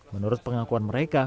menurut pengakuan mereka